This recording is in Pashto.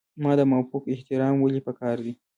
د مافوق احترام ولې پکار دی؟